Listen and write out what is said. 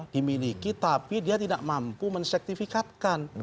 dimiliki tapi dia tidak mampu mensertifikatkan